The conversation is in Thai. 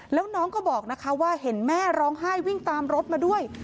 แล้วน้องก็บอกนะคะว่าเห็นแม่ร้องไห้วิ่งตามรถมาด้วย